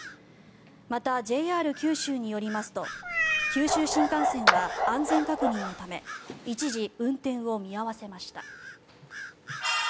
また、ＪＲ九州によりますと九州新幹線は安全確認のため一時運転を見合わせました。